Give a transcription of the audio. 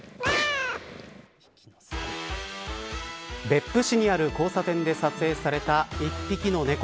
別府市にある交差点で撮影された一匹の猫。